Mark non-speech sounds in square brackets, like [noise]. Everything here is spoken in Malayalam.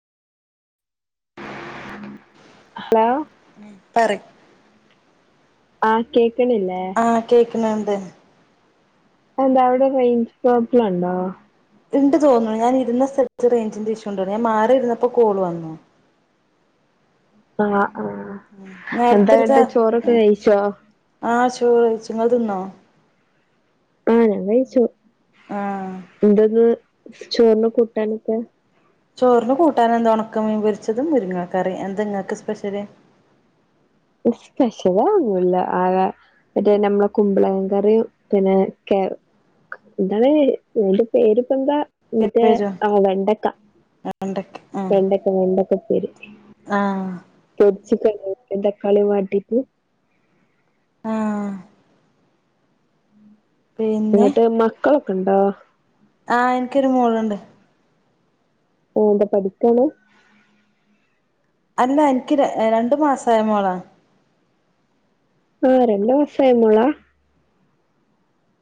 ഹലോ പറ ആഹ് കേക്കണില്ലെ പിന്നെന്ത് ആ എന്താ അവിടെ റേഞ്ച് പ്രോബ്ലുണ്ടോ ഇണ്ട് തോന്നു ഞാൻ ഇരുന്ന സ്ഥലത്ത് റേഞ്ചിന്റെ ഇഷ്യൂണ്ടു ഞാൻ മാറി ഇരുന്നപ്പോ കോള് വന്നു ആ നേരത്തെടുതാ കഴിച്ചോ ആശ് ഒഹ് കഴിച്ചു ങ്ങള് തിന്നോ ആ ഞാൻ കഴിച്ചു ആഹ് [unintelligible] ചോറിന് കൂട്ടാനൊക്കെ ചോറിന് കൂട്ടാനെന്ത ഒണക്ക മീൻ പൊരിച്ചതും മുരുങ്ങാ ക്കറി എന്ത ങ്ങക്ക് സ്പെഷ്യല് ഇസ്പെഷ്യൽ ഒന്നുല്ല ആകെ മറ്റേ നമ്മളെ കുമ്പളങ്ങ കറിയും പിന്നെ കേ എന്താണ് ന്റെ പേര് പെന്താ മറ്റേ അഹ് വെണ്ടക്ക വെണ്ടക്ക് ആ വെണ്ടക്ക വെണ്ടക്ക ആ ചിക്കൻ [unintelligible] തക്കാളിം വാട്ടീറ്റ് ആഹ് പിന്നെ എന്നിട്ട് മക്കളൊക്കണ്ടോ ആഹ് എൻക്കൊരു മോളുണ്ട് ഒഹ് ന്താ പഠിക്കാണ് അല്ല എൻക്ക് ര അ രണ്ടു മാസായ മോളാ ആ രണ്ട് മാസായ മോളാ